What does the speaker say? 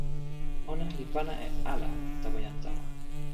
ona li pana e ala tawa jan tawa.